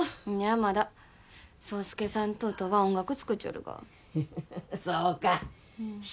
まだ爽介さんと音は音楽作っちょるがフフフそうか